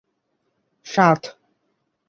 সাত